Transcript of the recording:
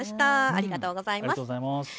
ありがとうございます。